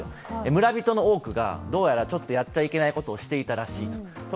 村人の多くがどうやら、ちょっとやっちゃいけないことをしていたらしいと。